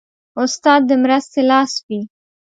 استاد د مرستې لاس وي.